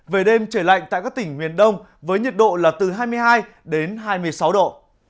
về đêm trời lạnh tại các tỉnh miền đông với nhiệt độ là từ hai mươi hai đến hai mươi sáu độ